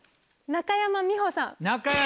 中山美穂さん。